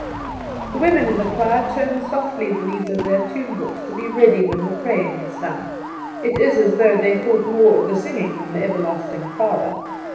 The women in the choir turn softly the leaves of their tune books, to be ready when the praying is done. It is as though they thought more of the singing than the Everlasting Father.